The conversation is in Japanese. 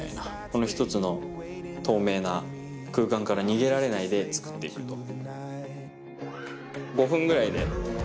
この一つの透明な空間から逃げられないで作って行くと。